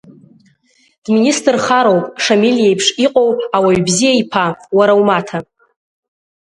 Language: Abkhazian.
Дминистрхароуп, Шамил иеиԥш иҟоу ауаҩ бзиа иԥа, уара умаҭа.